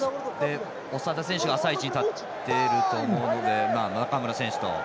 長田選手が浅い位置に立ってると思うので、中村選手と。